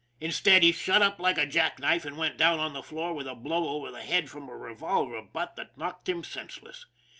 Instead, he shut up like a jack knife, and went down to the floor with a blow over the head from a revolver butt that knocked him sense less.